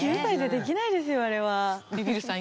ビビるさん